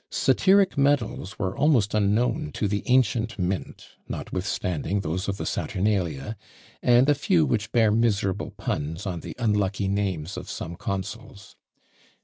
Satiric medals were almost unknown to the ancient mint, notwithstanding those of the Saturnalia, and a few which bear miserable puns on the unlucky names of some consuls.